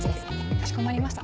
かしこまりました。